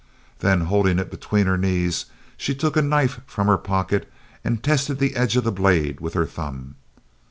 Then holding it between her knees, she took a knife from her pocket and tested the edge of the blade with her thumb.